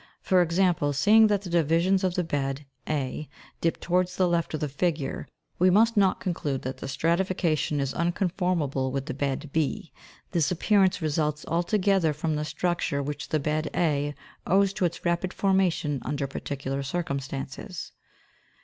For ex ample, seeing that the divisions of the bed , (fig. 301), dip to wards the left of the figure, we must not conclude that the strati fication is unconformable with the bed b ; this appearance results altogether from the structure which the bed a owes to its rapid formation under particular circumstances.